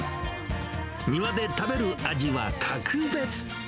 庭で食べる味は格別。